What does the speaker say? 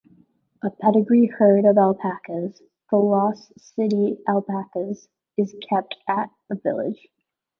A pedigree herd of alpacas, the "Lost City Alpacas", is kept at the village.